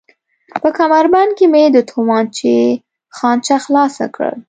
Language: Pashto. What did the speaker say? په کمربند کې مې د تومانچې خانچه خلاصه کړل.